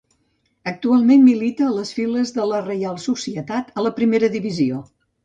Actualment milita a les files de la Reial Societat a la Primera divisió.